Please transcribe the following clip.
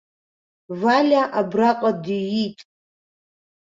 Валиа абраҟа диит.